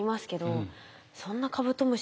そんなカブトムシでも。